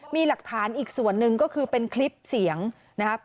มีหลักฐานอีกส่วนหนึ่งก็คือเป็นคลิปเสียงนะครับ